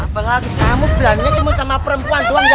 apalagi kamu berani cuman sama perempuan doang ya